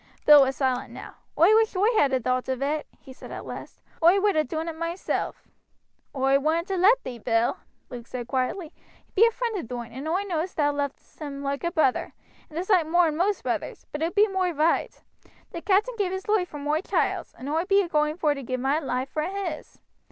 Bill was silent now. "Oi wish oi had a thowt of it," he said at last; "oi would ha' doon it moiself." "Oi wouldn't ha' let thee, Bill," Luke said quietly. "He be a friend of thine, and oi know thou lovest him loike a brother, and a soight mor'n most brothers; but it be moi roight. The captain gave his loife vor moi child's, and oi bee a going vor to give mine for his.